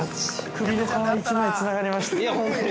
◆首の皮一枚つながりました。